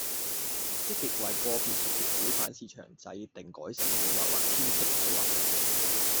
積極為個別熟食小販市場制訂改善計劃或遷出計劃